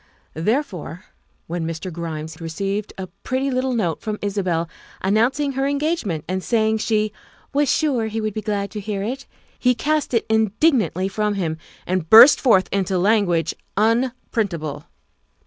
Therefore, when Mr. Grimes received a pretty little note from Isabel announcing her engagement and say ing she " was sure he would be glad to hear it," he cast it indignantly from him and burst forth into language unprintable.